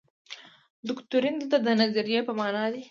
دوکتورین دلته د نظریې په معنا دی.